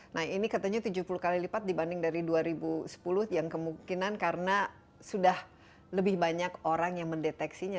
nah ini katanya tujuh puluh kali lipat dibanding dari dua ribu sepuluh yang kemungkinan karena sudah lebih banyak orang yang mendeteksinya